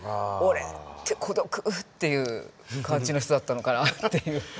「俺って孤独」っていう感じの人だったのかなぁっていう。